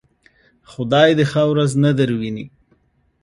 خدای دې ښه ورځ نه درويني.